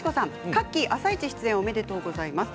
カッキー、「あさイチ」出演おめでとうございます。